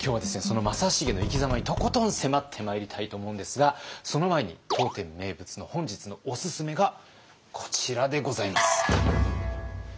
その正成の生きざまにとことん迫ってまいりたいと思うんですがその前に当店名物の本日のおすすめがこちらでございます。